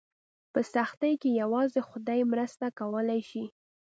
په سختۍ کې یوازې خدای مرسته کولی شي.